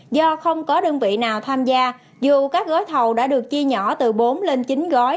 do không có đơn vị nào tham gia dù các gói thầu đã được chia nhỏ từ bốn lên chín gói